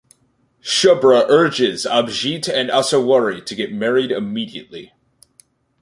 Shubhra urges Abhijit and Asawari to get married immediately.